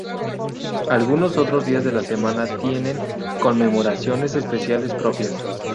Algunos otros días de la semana tienen conmemoraciones especiales propias.